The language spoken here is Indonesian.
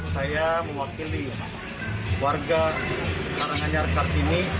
saya mewakili warga tarangan yarkar kini